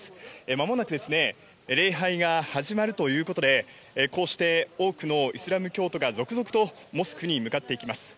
まもなくですね、礼拝が始まるということで、こうして多くのイスラム教徒が続々とモスクに向かっていきます。